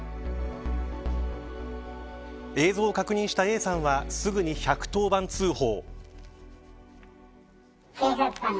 映像を確認したＡさんはすぐに１１０番通報。